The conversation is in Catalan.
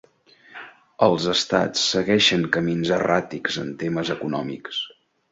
Els estats segueixen camins erràtics en temes econòmics.